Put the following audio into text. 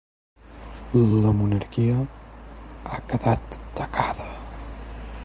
La monarquia ha quedat tacada.